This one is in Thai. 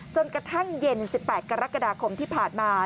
จนกระทั่งเย็น๑๘กรกฎาคมที่ผ่านมา